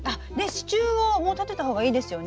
支柱をもう立てた方がいいですよね。